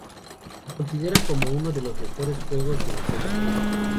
Se considera como uno de los mejores juegos de los X-men.